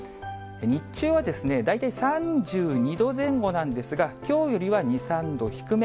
日中は大体３２度前後なんですが、きょうよりは２、３度低め。